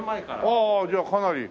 ああじゃあかなり。